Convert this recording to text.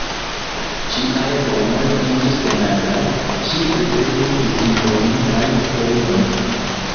Ŝiaj poemoj iĝis konataj, ŝi ricevis distingojn kaj premiojn.